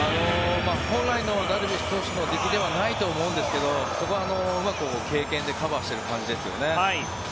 本来のダルビッシュ投手の出来ではないと思うんですがそこはうまく経験でカバーしている感じですよね。